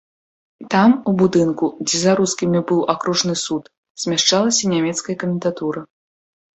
Там, у будынку, дзе за рускімі быў акружны суд, змяшчалася нямецкая камендатура.